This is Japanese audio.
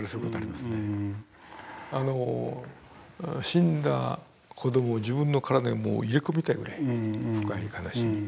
死んだ子どもを自分の体に入れ込みたいぐらい深い悲しみ。